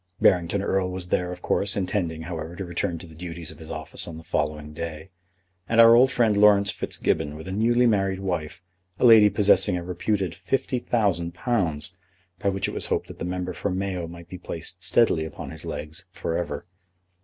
Barrington Erle was there, of course, intending, however, to return to the duties of his office on the following day, and our old friend Laurence Fitzgibbon with a newly married wife, a lady possessing a reputed fifty thousand pounds, by which it was hoped that the member for Mayo might be placed steadily upon his legs for ever.